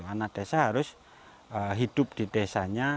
anak desa harus hidup di desanya